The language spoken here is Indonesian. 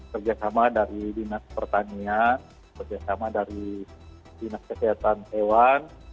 bekerjasama dari dinas pertanian bekerjasama dari dinas kesehatan hewan